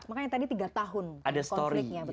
makanya tadi tiga tahun konfliknya